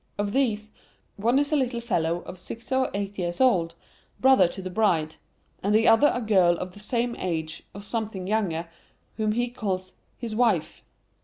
Of these, one is a little fellow of six or eight years old, brother to the bride,—and the other a girl of the same age, or something younger, whom he calls 'his wife.